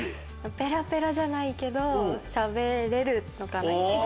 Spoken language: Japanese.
ペラペラじゃないけどしゃべれるのかな？